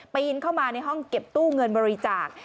ปีนเข้ามาในห้องเก็บตู้เงินบริจาค